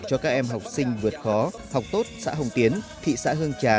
cho các em học sinh vượt khó học tốt xã hồng tiến thị xã hương trà